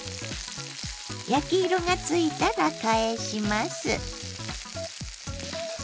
焼き色がついたら返します。